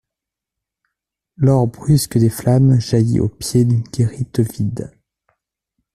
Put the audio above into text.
L'or brusque des flammes jaillit au pied d'une guérite vide.